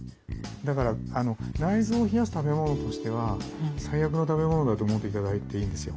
だから内臓を冷やす食べ物としては最悪の食べ物だと思って頂いていいんですよ。